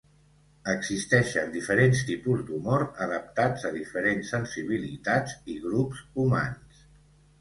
Existeixen diferents tipus d'humor adaptats a diferents sensibilitats i grups humans.